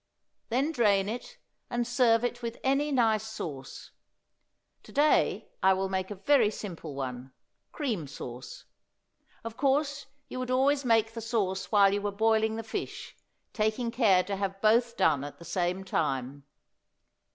Then drain it, and serve it with any nice sauce. To day I will make a very simple one cream sauce. Of course you would always make the sauce while you were boiling the fish, taking care to have both done at the same time.